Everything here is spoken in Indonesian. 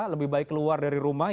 lebih baik keluar dari rumah